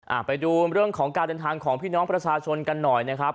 ไปดูเรื่องของการเดินทางของพี่น้องประชาชนกันหน่อยนะครับ